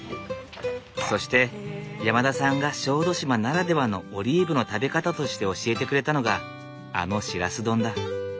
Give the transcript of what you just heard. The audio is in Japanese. そして山田さんが小豆島ならではのオリーブの食べ方として教えてくれたのがあのしらす丼だ。